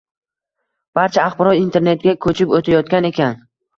barcha axborot internetga ko‘chib o‘tayotgan ekan